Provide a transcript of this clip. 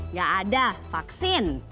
nggak ada vaksin